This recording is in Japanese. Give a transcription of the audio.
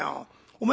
お前